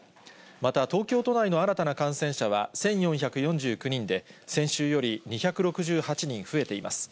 また東京都内の新たな感染者は１４４９人で、先週より２６８人増えています。